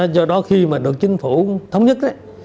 do đó khi mà được chính phủ thống nhất